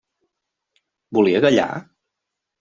Volia callar?